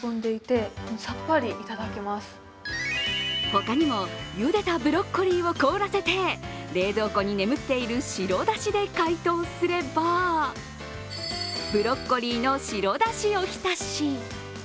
他にも、茹でたブロッコリーを凍らせて冷蔵庫に眠っている白だしで解凍すればブロッコリーの白だしおひたし。